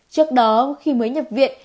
trước đó khi mới nhập viện